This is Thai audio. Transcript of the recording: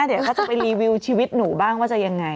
เดี๋ยวเขาจะไปรีวิวชีวิตหนูบ้างว่าจะยังไง